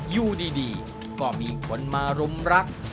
อยู่ดีก็มีคนมารุมรัก